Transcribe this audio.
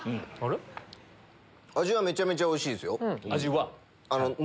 味はめちゃめちゃおいしいです。